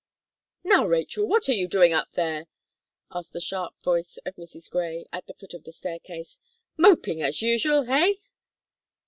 "Now, Rachel, what are you doing up there?" asked the sharp voice of Mrs. Gray, at the foot of the staircase; "moping, as usual! Eh?"